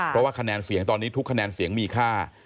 เพราะว่าตอนนี้ทุกคะแนนเสียงมีค่า